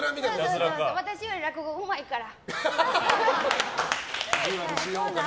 私より落語、うまいから。